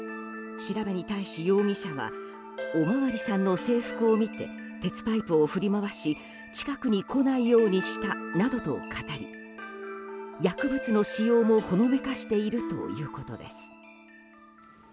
調べに対し、容疑者はおまわりさんの制服を見て鉄パイプを振り回し近くに来ないようにしたなどと語り薬物の使用もほのめかしているということです。